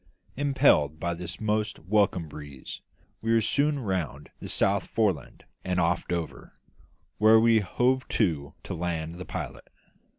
Impelled by this most welcome breeze, we were soon round the South Foreland and off Dover, where we hove to to land the pilot.